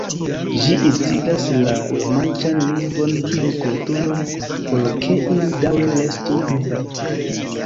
Ĝi instigas la romanĉan lingvon kaj kulturon, por ke ili daŭre restu vivaj.